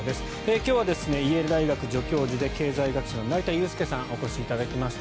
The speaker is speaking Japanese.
今日はイェール大学助教授で経済学者の成田悠輔さんにお越しいただきました。